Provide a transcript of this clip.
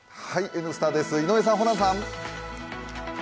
「Ｎスタ」です、井上さん、ホランさん。